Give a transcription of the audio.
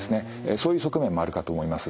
そういう側面もあるかと思います。